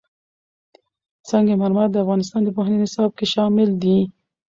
سنگ مرمر د افغانستان د پوهنې نصاب کې شامل دي.